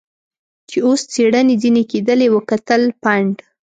چې اوس څېړنې ځنې کېدلې وکتل، پنډ.